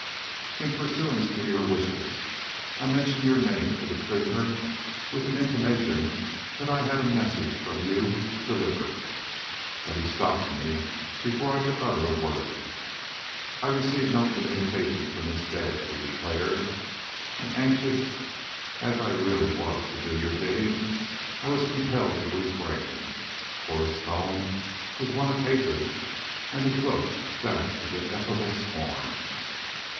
In pursuance to your wishes, I mentioned your name to the prisoner with an intimation that I had a message from you to deliver. But he stopped me before I could utter a word. "I receive no communication from Miss Dare!" he declared, and, anxious as I really was to do your bidding, I was compelled to refrain; for his tone was one of hatred and his look that of ineffable scorn.